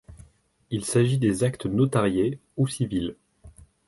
Il s'agit des actes notariés ou civils.